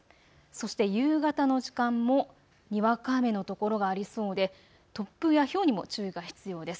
そして夕方の時間もにわか雨の所がありそうで突風やひょうにも注意が必要です。